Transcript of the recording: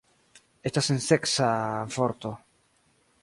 Estas senseksa vorto.